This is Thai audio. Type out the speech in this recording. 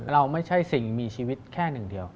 เราไม่ใช่สิ่งมีชีวิตแค่หนึ่งเดียว